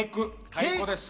太鼓です。